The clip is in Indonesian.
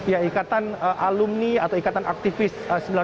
ya ikatan alumni atau ikatan aktivis sembilan puluh delapan